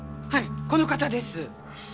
はいこの方です！